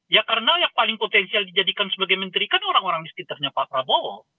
ya karena yang paling potensial dijadikan sebagai menteri kan orang orang di sekitarnya pak prabowo